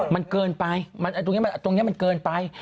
มันเกินไปตรงนี้มันเกินไป